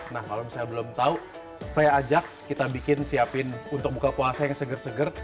nah kalau misalnya belum tahu saya ajak kita bikin siapin untuk buka puasa yang seger seger